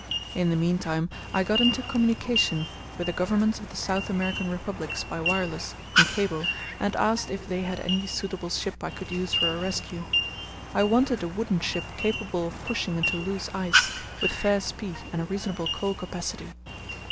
In the meantime I got into communication with the Governments of the South American Republics by wireless and cable and asked if they had any suitable ship I could use for a rescue. I wanted a wooden ship capable of pushing into loose ice, with fair speed and a reasonable coal capacity.